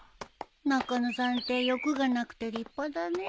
中野さんって欲がなくて立派だね。